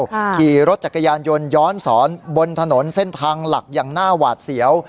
ขี่รถจักรยานยนต์ย้อนสอนบนถนนเส้นทางหลักอย่างหน้าหวาดเสียว